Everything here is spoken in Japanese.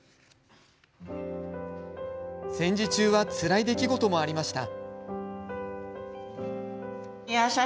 戦時中はつらい出来事もありました。